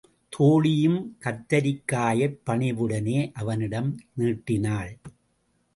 தோழியும் கத்தரிகையைப் பணிவுடனே அவனிடம் நீட்டினாள்.